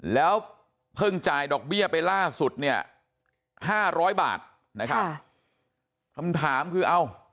แล้วเพิ่งจ่ายดอกเบี้ยไปล่าสุด๕๐๐บาทคำถามคือ